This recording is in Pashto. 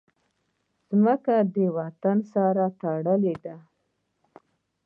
مځکه د وطن سره تړلې ده.